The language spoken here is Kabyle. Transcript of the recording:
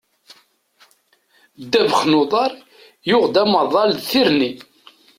Ddabax n uḍar yuɣ-d amaḍal d tirni.